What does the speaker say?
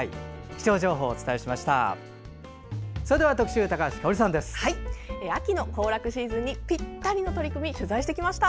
気象情報をお伝えしました。